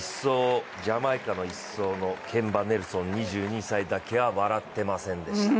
ジャマイカの１走のケンバ・ネルソン２２歳だけは笑っていませんでした。